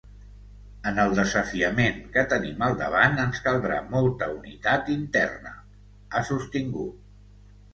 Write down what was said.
En el desafiament que tenim al davant ens caldrà molta unitat interna, ha sostingut.